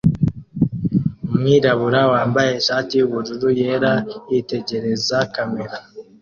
Umwirabura wambaye ishati yubururu yera yitegereza kamera